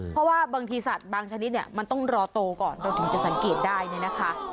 เพราะว่าบางทีสัตว์บางชนิดเนี่ยมันต้องรอโตก่อนเราถึงจะสังเกตได้เนี่ยนะคะ